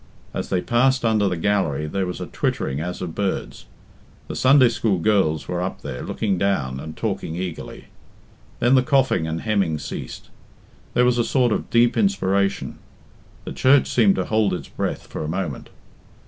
As they passed under the gallery there was a twittering as of birds. The Sunday school girls were up there, looking down and talking eagerly. Then the coughing and hemming ceased; there was a sort of deep inspiration; the church seemed to hold its breath for a moment.